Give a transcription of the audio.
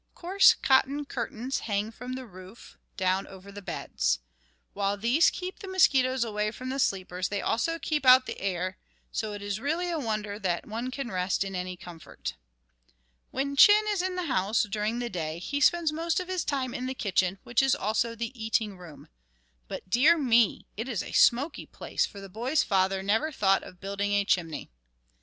Coarse cotton curtains hang from the roof down over the beds. While these keep the mosquitoes away from the sleepers, they also keep out the air, so it is really a wonder that one can rest in any comfort. When Chin is in the house during the day, he spends most of his time in the kitchen, which is also the eating room. But, dear me! it is a smoky place, for the boy's father never thought of building a chimney.